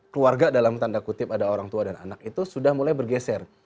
keluarga dalam tanda kutip ada orang tua dan anak itu sudah mulai bergeser